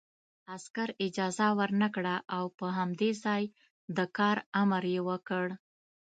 عسکر اجازه ورنکړه او په همدې ځای د کار امر یې وکړ